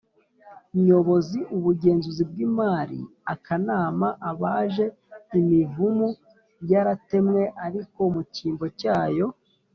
Nyobozi Ubugenzuzi bw imari n Akanama abaje imivumu yaratemwe ariko mu cyimbo cyayo